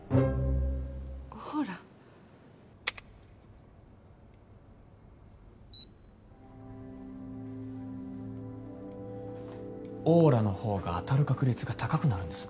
ピッオーラのほうが当たる確率が高くなるんです。